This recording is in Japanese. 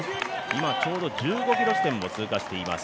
今ちょうど１５ｋｍ地点を通過しています。